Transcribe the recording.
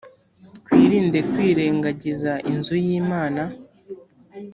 twirinde kwirengagiza inzu y imana